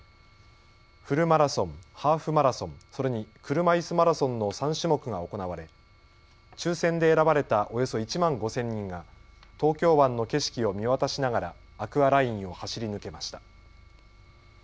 フルマラソン、ハーフマラソン、それに車いすマラソンの３種目が行われ抽せんで選ばれたおよそ１万５０００人が東京湾の景色を見渡しながらアクアラインを走り抜けました。